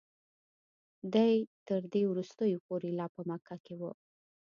دی تر دې وروستیو پورې لا په مکه کې و.